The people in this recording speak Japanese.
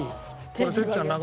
これ。